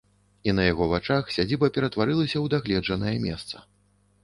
І на яго вачах сядзіба ператварылася ў дагледжанае месца.